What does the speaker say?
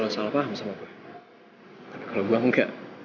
sampai jumpa lagi